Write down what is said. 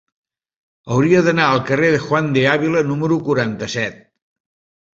Hauria d'anar al carrer de Juan de Ávila número quaranta-set.